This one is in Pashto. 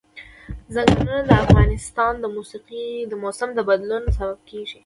ځنګلونه د افغانستان د موسم د بدلون سبب کېږي.